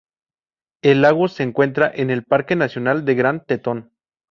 El lago se encuentra en el Parque nacional de Grand Teton.